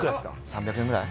３００円ぐらい？